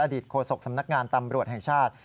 และอดีตโฆษกสำนักงานตำรวจแห่งชาติ